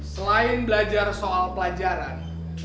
selain belajar soal pelajaran